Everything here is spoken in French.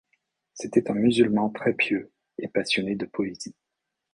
C’était un musulman très pieux et passionné de poésie.